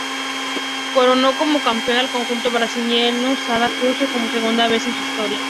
Coronó como campeón al conjunto brasileño Sada Cruzeiro por segunda vez en su historia.